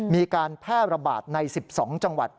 มีการแพร่ระบาดใน๑๒จังหวัด